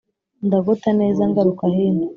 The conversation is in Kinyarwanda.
Ndagota neza ngaruka hino,